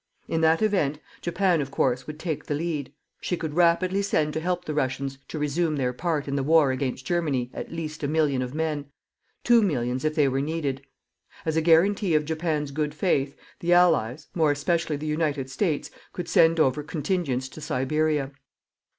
In that event, Japan of course, would take the lead. She could rapidly send to help the Russians to resume their part in the war against Germany at least a million of men; two millions if they were needed. As a guarantee of Japan's good faith, the Allies, more especially the United States, could send over contingents to Siberia.